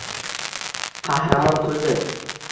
Qahramon kuldi.